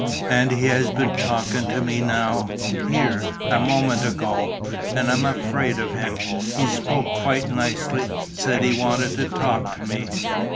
And he has been talking to me now, here, a moment ago. And I'm afraid of him. He spoke quite nicely, said he wanted to talk to me.